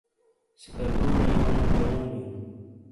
سکردو نی یونو چؤوں بیؤں۔